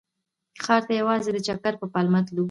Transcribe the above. ښار ته یوازې د چکر په پلمه تللو.